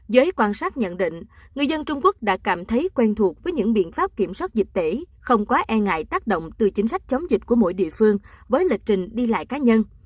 giới quan sát nhận định người dân trung quốc đã cảm thấy quen thuộc với những biện pháp kiểm soát dịch tễ không quá e ngại tác động từ chính sách chống dịch của mỗi địa phương với lịch trình đi lại cá nhân